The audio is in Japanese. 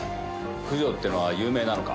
九条ってのは有名なのか？